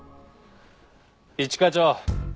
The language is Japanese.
一課長。